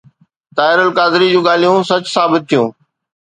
طاهر القادري جون ڳالهيون سچ ثابت ٿيون.